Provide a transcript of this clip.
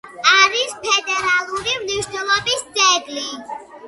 არის ფედერალური მნიშვნელობის ძეგლი.